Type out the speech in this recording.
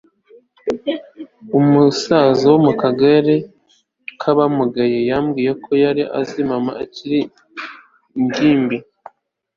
Umusaza mu kagare kabamugaye yambwiye ko yari azi mama akiri ingimbi